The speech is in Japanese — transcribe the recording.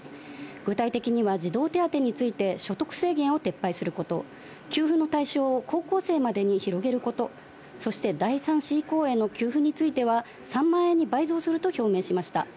具体的には児童手当について所得制限を撤廃すること、給付の対象を高校生までに広げること、そして第３子以降への給付については、３万円に倍増すると表明しました。